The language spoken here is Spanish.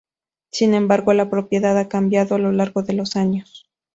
Sin embargo la propiedad ha cambiado a lo largo de los años.